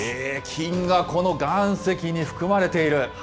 金がこの岩石に含まれている？